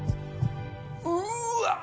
うわ！